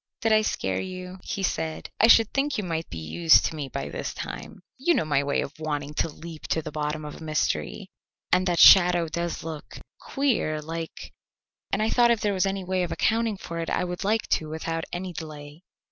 "Did I scare you?" he said. "I should think you might be used to me by this time. You know my way of wanting to leap to the bottom of a mystery, and that shadow does look queer, like and I thought if there was any way of accounting for it I would like to without any delay."